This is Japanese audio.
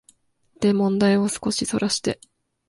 で問題を少しそらして、